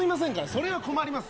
それは困りますよ。